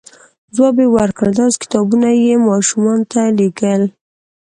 ځواب یې ورکړ، داسې کتابونه یې ماشومانو ته لیکل،